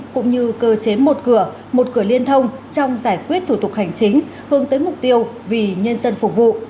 cũng như cơ chế một cửa một cửa liên thông trong giải quyết thủ tục hành chính hướng tới mục tiêu vì nhân dân phục vụ